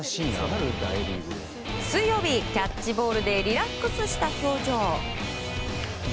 水曜日、キャッチボールでリラックスした表情。